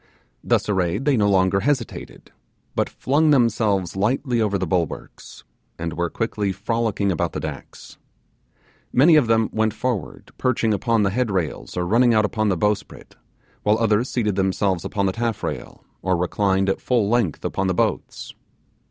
Thus arrayed they no longer hesitated, but flung themselves lightly over the bulwarks, and were quickly frolicking about the decks. Many of them went forward, perching upon the headrails or running out upon the bowsprit, while others seated themselves upon the taffrail, or reclined at full length upon the boats.